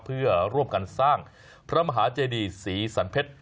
เพื่อร่วมกันสร้างพระมหาเจดีศรีสันเพชร